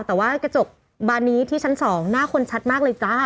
แต่ว่ากระจกบานนี้ที่ชั้น๒หน้าคนชัดมากเลยจ้า